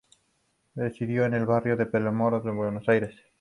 Residió en el barrio de Palermo de Buenos Aires.